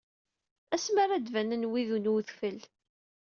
Asmi ara d-banen wid n wedfel.